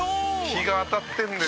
「日が当たってるんですよ」